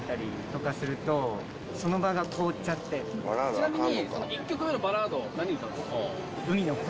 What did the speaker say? ちなみに。